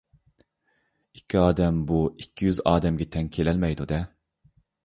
ئىككى ئادەم بۇ ئىككى يۈز ئادەمگە تەڭ كېلەلمەيدۇ-دە.